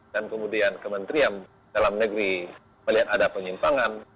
dan kemudian kementerian dalam negeri melihat ada penyimpangan